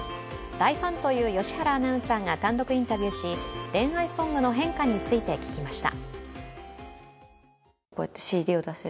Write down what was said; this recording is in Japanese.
大ファンという良原アナウンサーが単独インタビューし恋愛ソングの変化について聞きました。